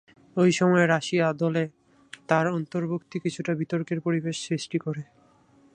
ঐ সময়ে রাশিয়া দলে তার অন্তর্ভুক্তি কিছুটা বিতর্কের পরিবেশ সৃষ্টি করে।